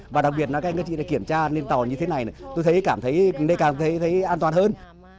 và đặc biệt là các anh chị này kiểm tra lên tàu như thế này tôi thấy cảm thấy an toàn hơn